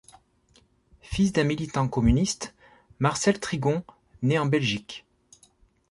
Fils d'un militant communiste, Marcel Trigon naît en Belgique.